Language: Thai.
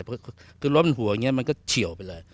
คือรถมันหัวอย่างนี้มันก็เฉียวไปเลย